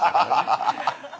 ハハハハ！